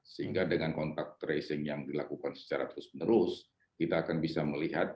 sehingga dengan kontak tracing yang dilakukan secara terus menerus kita akan bisa melihat